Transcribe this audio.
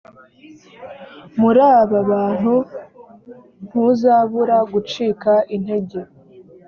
muri aba bantu ntuzabura gucika intege